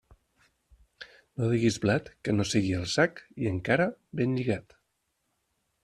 No diguis blat que no sigui al sac, i encara ben lligat.